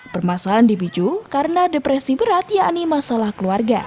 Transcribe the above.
permasalahan dipicu karena depresi berat yakni masalah keluarga